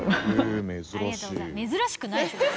珍しくない！